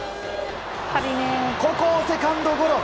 ここをセカンドゴロ。